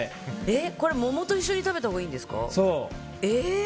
これ、桃と一緒に食べたほうがいいんですか？